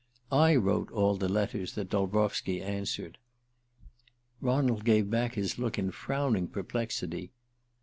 "I wrote all the letters that Dolbrowski answered." Ronald gave back his look in frowning perplexity.